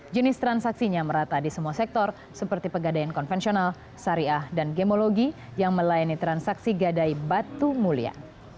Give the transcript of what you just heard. jenis transaksinya merata di semua sektor seperti pegadaian konvensional syariah dan gemologi yang melayani transaksi gadai batu mulia